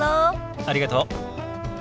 ありがとう。